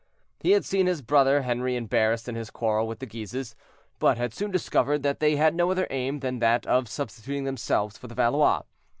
He had seen his brother Henri embarrassed in his quarrel with the Guises, but had soon discovered that they had no other aim than that of substituting themselves for the Valois.